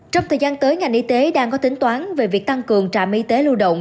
trong thời gian tới ngành y tế đang có tính toán về việc tăng cường trạm y tế lưu động